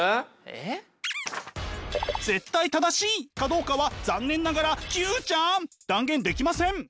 絶対正しいかどうかは残念ながら９ちゃん断言できません。